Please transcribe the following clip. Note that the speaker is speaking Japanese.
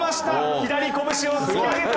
左拳を突き上げた！